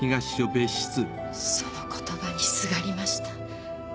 その言葉にすがりました。